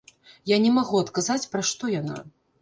Я не магу адказаць, пра што яна.